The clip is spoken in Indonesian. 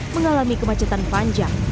mengalami kemacetan panjang